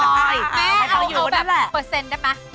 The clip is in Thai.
แม่เอาแบบเปิดเซ็นได้ไหม